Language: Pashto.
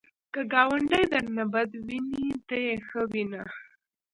که ګاونډی درنه بد ویني، ته یې ښه وینه